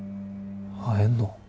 会えんの？